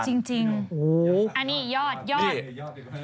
โอ้โฮอันนี้ยอด